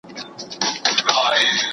د فساد کوونکو سزا ډېره سخته ده.